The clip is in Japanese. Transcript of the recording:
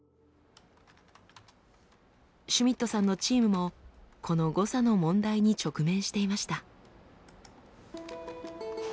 シュミットさんのチームもこの誤差の問題に直面していました。